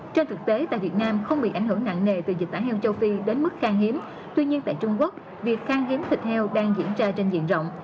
trên thực tế tại việt nam không bị ảnh hưởng nặng nề từ dịch tả heo châu phi đến mức khang hiếm tuy nhiên tại trung quốc việc khang hiếm thịt heo đang diễn ra trên diện rộng